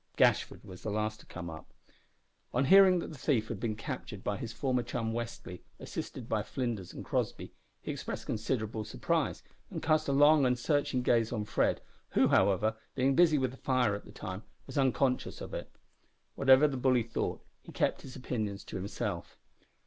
Gashford was the last to come up. On hearing that the thief had been captured by his former chum Westly, assisted by Flinders and Crossby, he expressed considerable surprise, and cast a long and searching gaze on Fred, who, however, being busy with the fire at the time, was unconscious of it. Whatever the bully thought, he kept his opinions to himself.